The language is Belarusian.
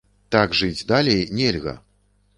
Так жыць далей нельга!